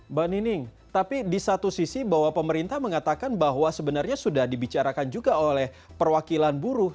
mbak nining tapi di satu sisi bahwa pemerintah mengatakan bahwa sebenarnya sudah dibicarakan juga oleh perwakilan buruh